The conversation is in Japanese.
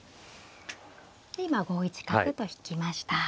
今５一角と引きました。